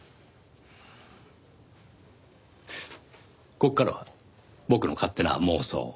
ここからは僕の勝手な妄想。